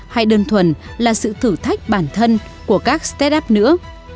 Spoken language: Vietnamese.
hay đơn thuần là sự thử thách bản thân của các start up nữa